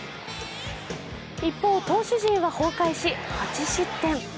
一方、投手陣は崩壊し、８失点。